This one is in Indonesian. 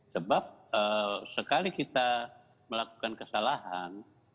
sebab sekali kita melakukan kesalahan